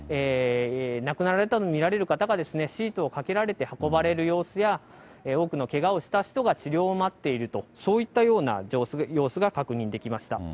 亡くなられたと見られる方がシートをかけられて運ばれる様子や、多くのけがをした人が治療を待っていると、そういったような様子が確認できました。